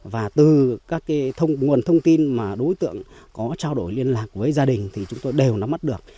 và từ các nguồn thông tin mà đối tượng có trao đổi liên lạc với gia đình thì chúng tôi đều nắm mắt được